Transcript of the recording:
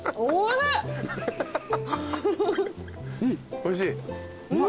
おいしい？